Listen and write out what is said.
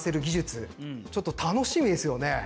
ちょっと楽しみですよねうん。